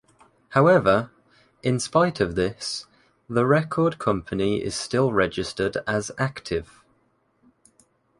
However, in spite of this, the record company is still registered as “active.”